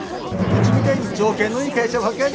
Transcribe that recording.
うちみたいに条件のいい会社はほかに。